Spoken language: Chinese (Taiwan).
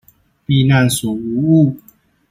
避難所無誤